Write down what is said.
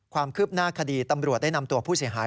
ความคืบหน้าคดีตำรวจได้นำตัวผู้เสียหาย